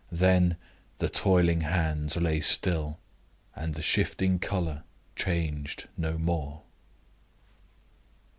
Then the toiling hands lay still, and the shifting color changed no more.